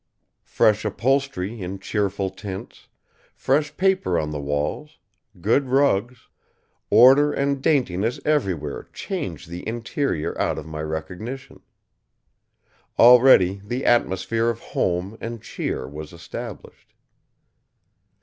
Fresh upholstery in cheerful tints, fresh paper on the walls, good rugs, order and daintiness everywhere changed the interior out of my recognition. Already the atmosphere of home and cheer was established.